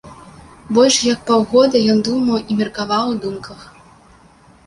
Больш як паўгода ён думаў, і меркаваў у думках.